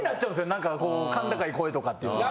何か甲高い声とかっていうのが。